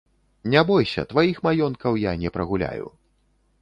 Не бойся, тваіх маёнткаў я не прагуляю.